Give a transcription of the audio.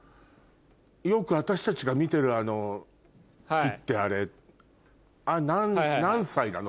よく私たちが見てるあの木ってあれ何歳なの？